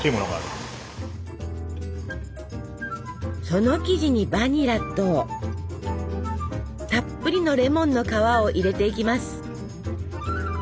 その生地にバニラとたっぷりのレモンの皮を入れていきます。